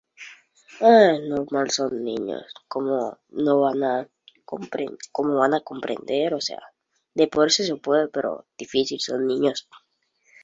Otros tres niños participaron pero fueron eliminados por no comprender las instrucciones.